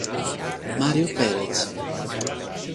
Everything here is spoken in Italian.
Mario Pérez